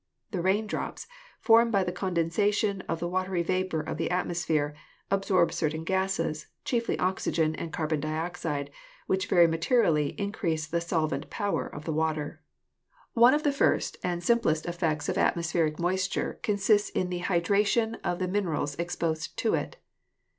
The raindrops, formed by the condensation of the watery vapor of the atmosphere, absorb certain gases, chiefly oxygen and carbon dioxide, which very materially increase the solvent power of the water. 130 GEOLOGY One of the first and simplest effects of atmospheric moisture consists in the hydration* of the minerals exposed to it.